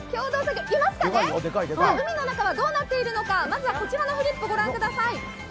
海の中はどうなっているのか、まずはこちらのフリップ御覧ください。